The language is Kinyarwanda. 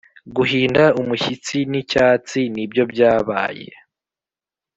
guhinda umushyitsi n'icyatsi nibyo byabaye